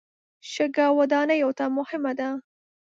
شګه ودانیو ته مهمه ده.